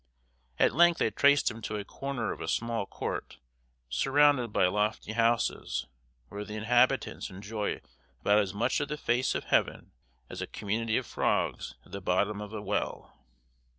At length I traced him to a corner of a small court surrounded by lofty houses, where the inhabitants enjoy about as much of the face of heaven as a community of frogs at the bottom of a well.